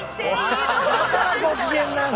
だからご機嫌なんだ！